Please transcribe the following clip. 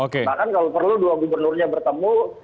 bahkan kalau perlu dua gubernurnya bertemu